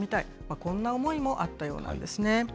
こんな思いもあったようなんですね。